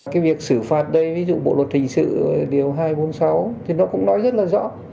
cái việc xử phạt đây ví dụ bộ luật hình sự điều hai trăm bốn mươi sáu thì nó cũng nói rất là rõ